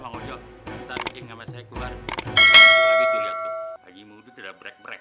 mau jok ntar ngamain saya keluar lagi tuh lihat tuh haji muhyiddin tidak break break